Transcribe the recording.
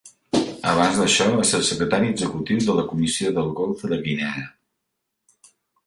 Abans d'això, va ser el secretari executiu de la Comissió del Golf de Guinea.